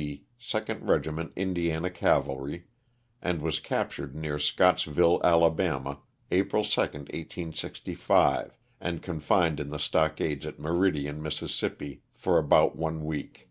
C, 2d Regiment Indiana Cavalry, and was captured near Scottsville, Alabama, April 2, 1865, and confined in the stockade at Meridian, Mississippi, for about one week.